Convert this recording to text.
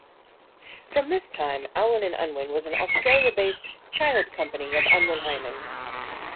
From this time Allen and Unwin was an Australia-based, child company of Unwin Hyman.